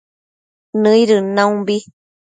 nëidën naumbi